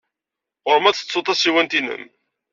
Ɣur-m ad tettud tasiwant-nnem.